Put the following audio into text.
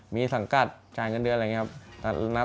มีสังกัดจ่ายเงินเดือนอะไรอย่างนี้ครับ